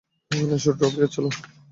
এসো ড্রপিয়র, চলো!